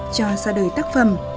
cho sau đời tác phẩm